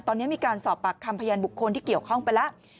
ตอนนี้มีการสอบปากคำพยานบุคคลที่เกี่ยวข้องไปแล้ว